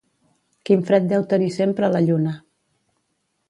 —Quin fred deu tenir sempre la lluna!